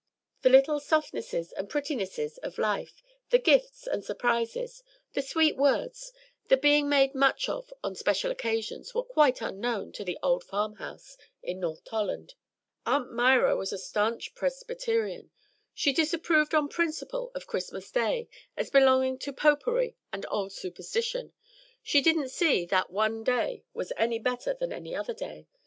The little softnesses and prettinesses of life, the gifts and surprises, the sweet words, the being made much of on special occasions, were quite unknown to the old farm house in North Tolland. Aunt Myra was a stanch Presbyterian. She disapproved on principle of Christmas day, as belonging to popery and old superstition. She didn't see that one day was any better than any other day.